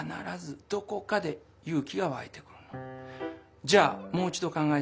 じゃあもう一ど考えてみて。